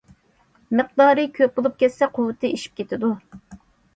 مىقدارى كۆپ بولۇپ كەتسە قۇۋۋىتى ئېشىپ كېتىدۇ.